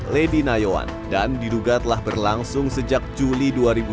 lady nayon dan diduga telah berlangsung sejak juli dua ribu dua puluh